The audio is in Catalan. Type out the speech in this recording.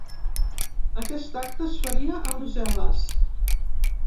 Aquest acte es faria a Brussel·les.